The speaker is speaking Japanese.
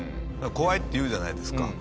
怖いって言うじゃないですか。